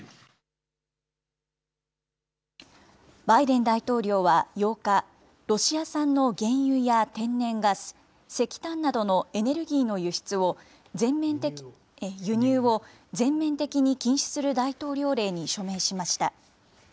バイデン大統領は８日、ロシア産の原油や天然ガス、石炭などのエネルギーの輸入を全面的に禁止する大統領令に署名しました。